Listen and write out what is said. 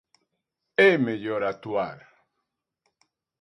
É mellor actuar.